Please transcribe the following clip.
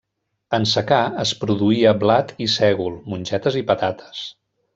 En secà es produïa blat i sègol, mongetes i patates.